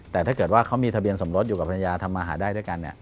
แต่ถ้าเกิดว่าเขามีทะเบียนสมรสอยู่กับภรรยาทำมาหาได้ด้วยกัน